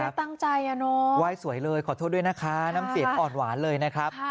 ตั้งใจอ่ะเนอะไหว้สวยเลยขอโทษด้วยนะคะน้ำเสียงอ่อนหวานเลยนะครับ